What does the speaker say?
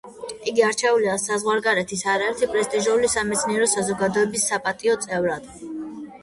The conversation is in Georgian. იგი არჩეულია საზღვარგარეთის არაერთი პრესტიჟული სამეცნიერო საზოგადოების საპატიო წევრად.